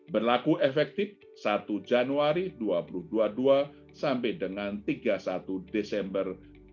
berlaku efektif satu januari dua ribu dua puluh dua sampai dengan tiga puluh satu desember dua ribu dua puluh